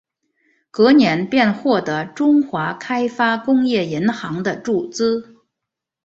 隔年便获得中华开发工业银行的注资。